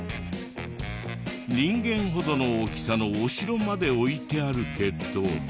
人間ほどの大きさのお城まで置いてあるけど。